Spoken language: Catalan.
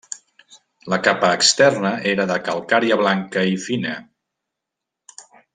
La capa externa era de calcària blanca i fina.